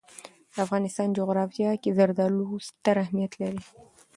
د افغانستان جغرافیه کې زردالو ستر اهمیت لري.